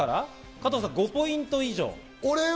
加藤さん、５ポイント以上。